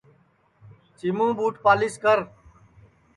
چِیمُوں ٻوٹ پالِیس کر